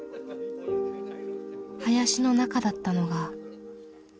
林の中だったのが。